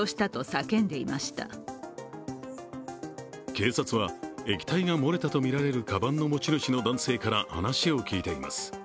警察は薬品が漏れたとみられるかばんの持ち主の男性から話を聞いています。